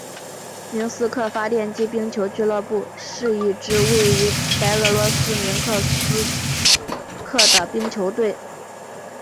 明斯克发电机冰球俱乐部是一支位于白俄罗斯明斯克的冰球队。